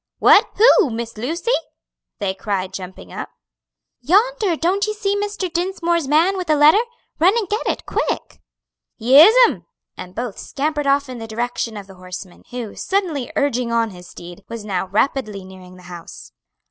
"What who Miss Lucy?" they cried, jumping up. "Yonder; don't you see Mr. Dinsmore's man with a letter? Run and get it, quick!" "Yes'm!" and both scampered off in the direction of the horseman, who, suddenly urging on his steed, was now rapidly nearing the house.